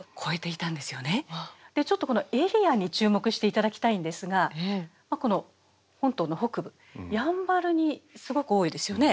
でちょっとこのエリアに注目して頂きたいんですがこの本島の北部やんばるにすごく多いですよね。